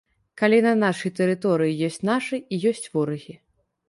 Калі на нашай тэрыторыі ёсць нашы і ёсць ворагі.